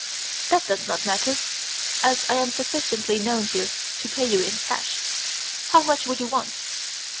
"That does not matter, as I am sufficiently known here to pay you in cash. How much would you want?"